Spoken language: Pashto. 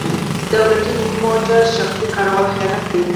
دولتي موټر شخصي کارول خیانت دی.